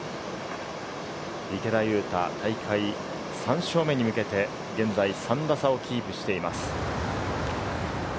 池田勇太、大会３勝目に向けて現在３打差をキープしています。